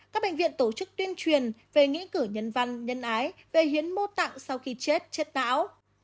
các bệnh viện tổ chức tuyên truyền về nghĩa cử nhân văn nhân ái về hiến mô tạng sau khi chết chết não